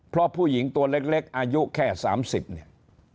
เพราะผู้หญิงตัวเล็กอายุแค่๓๐เนี่ย